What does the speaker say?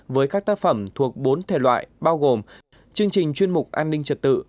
với các tác phẩm thuộc bốn thể loại bao gồm chương trình chuyên mục an ninh trật tự